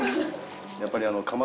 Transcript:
やっぱり。